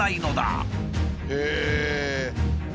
へえ！